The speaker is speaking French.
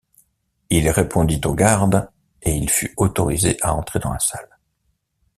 Il répondit au garde: et il fut autorisé à entrer dans la salle.